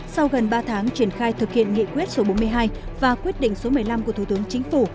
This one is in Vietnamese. sau gần ba tháng triển khai thực hiện nghị quyết số bốn mươi hai và quyết định số một mươi năm của thủ tướng chính phủ